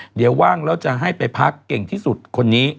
เดี๋ยวว่างแล้วจะให้ไปพักเก่งที่สุดคนนี้